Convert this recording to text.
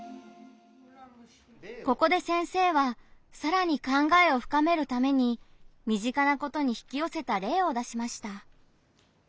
ここで先生はさらに考えを深めるために身近なことに引きよせた例を出しました。